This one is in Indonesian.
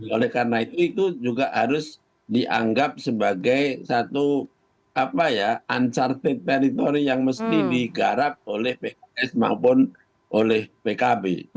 oleh karena itu itu juga harus dianggap sebagai satu uncertad teritory yang mesti digarap oleh pks maupun oleh pkb